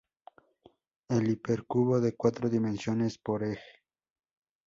El hipercubo de cuatro dimensiones, por ej.